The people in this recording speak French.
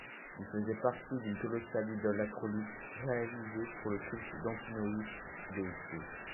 Il faisait partie d'une colossale idole acrolithe réalisée pour le culte d'Antinoüs déifié.